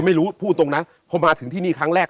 ไม่รู้พูดตรงนะพอมาถึงที่นี่ครั้งแรก